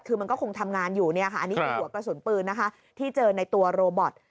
คือมันก็คงทำงานอยู่อันนี้คือหัวกระสุนปืนที่เจอในตัวโรบอท